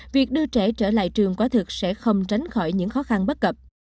việc đưa trẻ trở lại trường quá thực sẽ không tránh khỏi những khó khăn bất cập